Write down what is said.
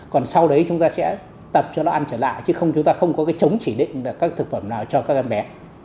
còn sau đấy chúng ta sẽ tập cho nó ăn trở lại chứ không chúng ta không có cái chống chỉ định là các thực phẩm nào cho các em bé